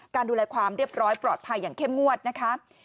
ดูแลความเรียบร้อยปลอดภัยอย่างเข้มงวดนะคะ